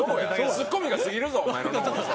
ツッコミが過ぎるぞお前の脳みそ。